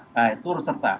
nah turut serta